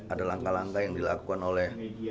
ada langkah langkah yang dilakukan oleh